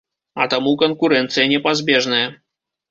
А таму канкурэнцыя непазбежная.